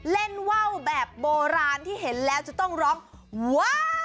เล่นว่าวแบบโบราณที่เห็นแล้วจะต้องร้องว้าว